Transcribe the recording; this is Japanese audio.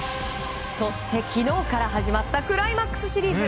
そして昨日から始まったクライマックスシリーズ。